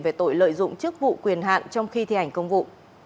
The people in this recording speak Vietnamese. về tội lợi dụng chức vụ quyền hạn trong khi thi hành công vụ